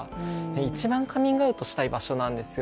一番カミングアウトしたい場所なんですよ。